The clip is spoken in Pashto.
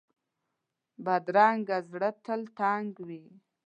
بدرنګه زړه تل تنګ وي